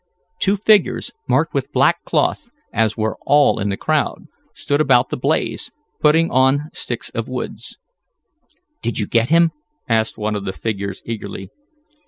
Two figures, masked with black cloth, as were all in the crowd, stood about the blaze, putting on sticks of wood. "Did you get him?" asked one of these figures eagerly.